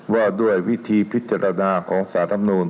ว่าด้วยวิธีพิจารณาของสารธรรมนูล